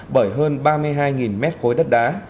bởi hơn ba mươi hai mét khối đất đá